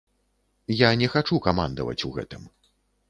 Я не хачу камандаваць у гэтым.